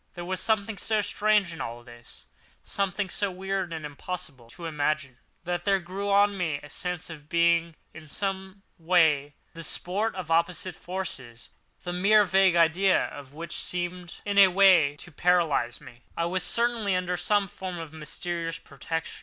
There was something so strange in all this, something so weird and impossible to imagine, that there grew on me a sense of my being in some way the sport of opposite forces—the mere vague idea of which seemed in a way to paralyse me. I was certainly under some form of mysterious protection.